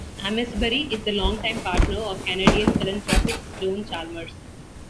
Amesbury is the long-time partner of Canadian philanthropist Joan Chalmers.